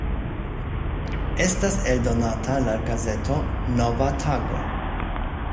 Estas eldonata la gazeto "Nova tago".